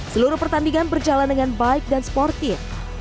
seluruh pertandingan berjalan dengan baik dan sportif